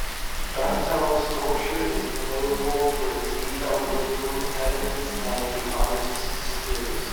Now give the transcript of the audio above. Donatello's sculpture is notable for its detailed realism, evidence of the artist's skills.